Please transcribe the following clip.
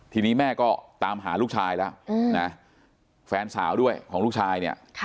ทีนี้แม่ก็ตามหาลูกชายแล้วนะแฟนสาวด้วยของลูกชายเนี่ย